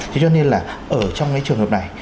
thế cho nên là ở trong cái trường hợp này